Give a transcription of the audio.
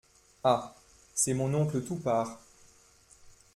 Ah ! c'est mon oncle Toupart !